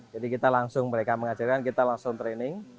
jadi kita langsung mereka mengajarkan kita langsung training